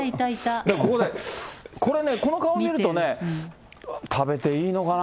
ここで、この顔見るとね、食べていいのかな？